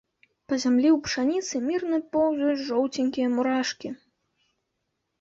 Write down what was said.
Па зямлі ў пшаніцы мірна поўзаюць жоўценькія мурашкі.